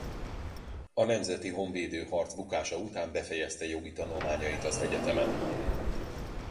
A nemzeti honvédő harc bukása után befejezte jogi tanulmányait az egyetemen.